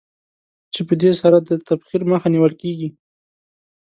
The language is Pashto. چې په دې سره د تبخیر مخه نېول کېږي.